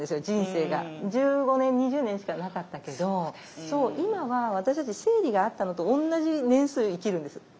人生が１５年２０年しかなかったけどそう今は私たち生理があったのと同じ年数生きるんです